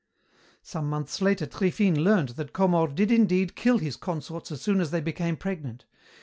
"Some months later Triphine learned that Comor did indeed kill his consorts as soon as they became pregnant.